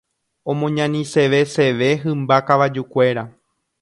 Omoñaniseveseve hymba kavajukuéra.